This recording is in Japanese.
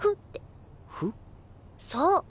そう。